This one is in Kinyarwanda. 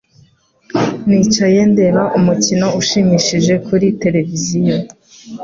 Nicaye ndeba umukino ushimishije kuri tereviziyo.